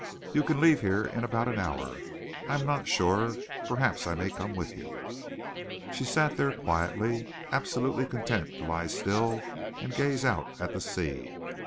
You can leave here in about an hour. I am not sure perhaps I may come with you." She sat there quietly, absolutely content to lie still and gaze out at the sea.